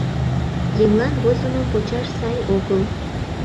Еҥлан возымым почаш сай огыл.